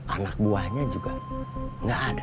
anak buahnya juga nggak ada